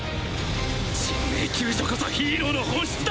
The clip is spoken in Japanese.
人命救助こそヒーローの本質だ！